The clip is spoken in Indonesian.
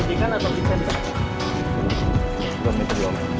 jangan kontak coba untuk kontak